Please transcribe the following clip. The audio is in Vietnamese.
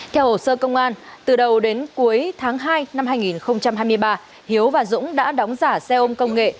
theo hồ sơ công an từ đầu đến cuối tháng hai năm hai nghìn hai mươi ba hiếu và dũng đã đóng giả xe ôm công nghệ